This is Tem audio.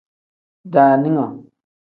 Daaninga.